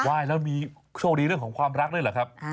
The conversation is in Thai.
ยแล้วมีโชคดีเรื่องของความรักด้วยเหรอครับ